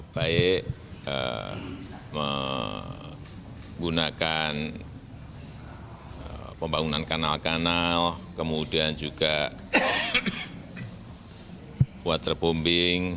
baik menggunakan pembangunan kanal kanal kemudian juga water bombing